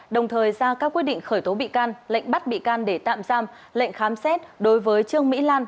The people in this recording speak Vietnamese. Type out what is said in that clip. đồng thời ra các quyết định khởi tố bị can lệnh bắt bị can để tạm giam lệnh khám xét đối với trương mỹ lan